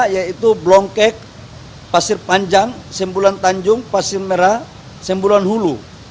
yaitu blongkek pasir panjang sembulan tanjung pasir merah sembulan hulu